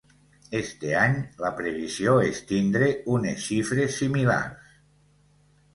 Este any la previsió és tindre unes xifres similars.